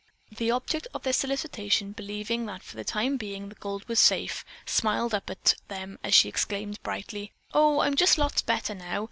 The object of their solicitation, believing that for the time being the gold was safe, smiled up at them as she exclaimed brightly: "Oh, I'm just lots better now.